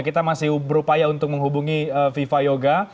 kita masih berupaya untuk menghubungi viva yoga